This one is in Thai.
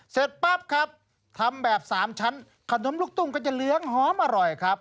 เสร็จปั๊บครับทำแบบ๓ชั้นขนมลูกตุ้งก็จะเหลืองหอมอร่อยครับ